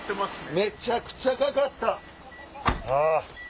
めちゃくちゃかかった！